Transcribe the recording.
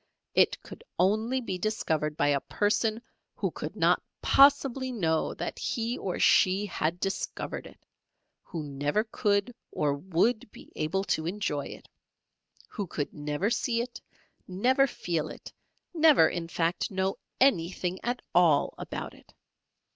It could only be discovered by a person who could not possibly know that he or she had discovered it, who never could or would be able to enjoy it, who could never see it, never feel it, never, in fact know anything at all about it!